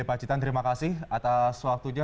pak citan terima kasih atas waktunya